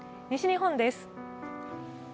西日本です。